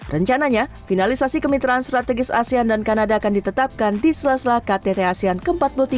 rencananya finalisasi kemitraan strategis asean dan kanada akan ditetapkan di sela sela ktt asean ke empat puluh tiga